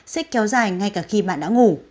sẽ kéo dài ngay cả khi bạn đã ngủ